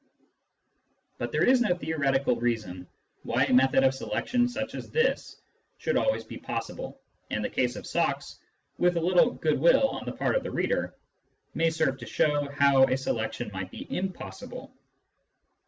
But there is no theoretical reason why a method of selection such as this should always be possible, and the case of the socks, with a little goodwill on the part of the reader, may serve to show how a selection might be impossible.